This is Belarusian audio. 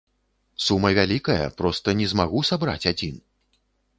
Сума вялікая, проста не змагу сабраць адзін!